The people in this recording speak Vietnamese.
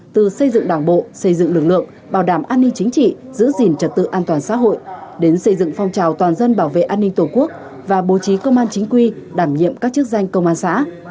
từ xây dựng đảng bộ xây dựng lực lượng bảo đảm an ninh chính trị giữ gìn trật tự an toàn xã hội đến xây dựng phong trào toàn dân bảo vệ an ninh tổ quốc và bố trí công an chính quy đảm nhiệm các chức danh công an xã